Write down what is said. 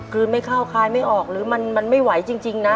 คือไม่เข้าคลายไม่ออกหรือมันไม่ไหวจริงนะ